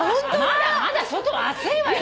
まだまだ外は暑いわよ。